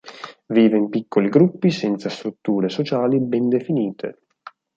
Vive in piccoli gruppi senza strutture sociali ben definite.